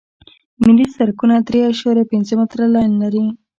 ملي سرکونه درې اعشاریه پنځه متره لاین لري